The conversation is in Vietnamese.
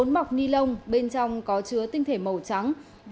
bốn mọc ni lông bên trong có chứa tinh thể màu trắng